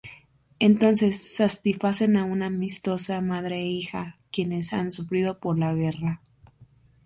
Entonces satisfacen a unas amistosas madre e hija, quienes han sufrido por la guerra.